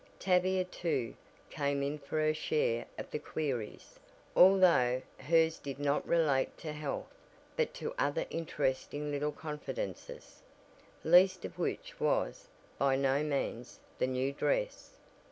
Tavia, too, came in for her share of the queries, although hers did not relate to health, but to other interesting little confidences, least of which was, by no means, the new dress.